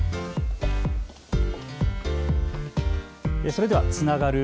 それではつながる。